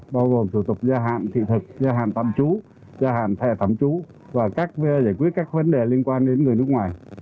bao gồm thủ tục gia hạn thị thực gia hạn tạm trú gia hạn thẻ tạm trú và các giải quyết các vấn đề liên quan đến người nước ngoài